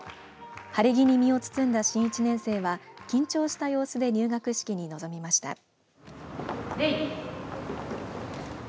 晴れ着に身を包んだ新１年生は緊張した様子で入学式に臨みました。